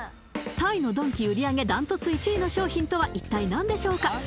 タイのドンキ売り上げダントツ１位の商品とは一体何でしょうか？